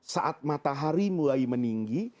saat matahari mulai meninggi